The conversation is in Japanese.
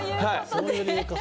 そういう理由か。